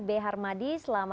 terima kasih juga pak hilal